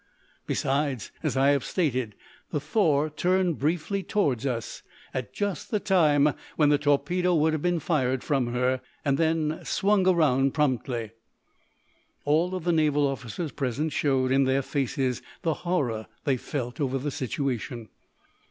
Besides, as I have stated, the 'Thor' turned briefly toward us, at just the time when the torpedo would have been fired from her, then swung around promptly." All of the naval officers present showed, in their faces, the horror they felt over the situation.